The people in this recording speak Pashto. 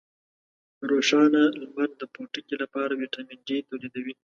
روښانه لمر د پوټکي لپاره ویټامین ډي تولیدوي.